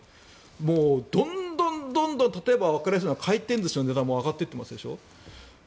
もうどんどんどんどんわかりやすいのは回転寿司の値段も上がっていってますでしょ。